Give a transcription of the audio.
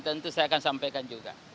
tentu saya akan sampaikan juga